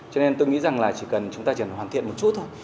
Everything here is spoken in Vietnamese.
cho nên tôi nghĩ rằng là chỉ cần chúng ta chỉ phải hoàn thiện một chút thôi